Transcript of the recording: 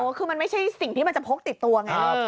ก็คือมันไม่ใช่สิ่งที่จะพกติดตัวไงครับ